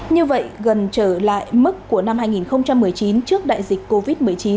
như vậy gần trở lại mức của năm hai nghìn một mươi chín trước đại dịch covid một mươi chín